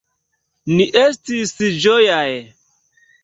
Ni estis ĝojaj.